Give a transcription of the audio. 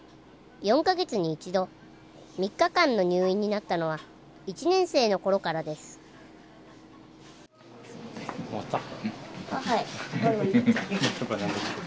４カ月に１度３日間の入院になったのは１年生の頃からです終わった？